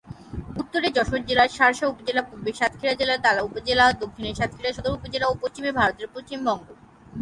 উত্তরে- যশোর জেলার শার্শা উপজেলা, পূর্বে- সাতক্ষীরা জেলার তালা উপজেলা, দক্ষিণে- সাতক্ষীরা সদর উপজেলা ও পশ্চিমে- ভারতের পশ্চিম বঙ্গ।